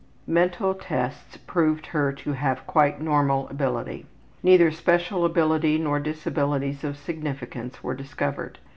Mental tests proved her to have quite normal ability. Neither special ability nor disabilities of significance were discovered.